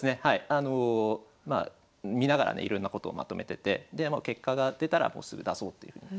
あの見ながらねいろんなことをまとめてて結果が出たらもうすぐ出そうっていうふうに。